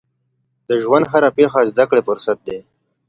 د ژوند هره پیښه زده کړې فرصت دی.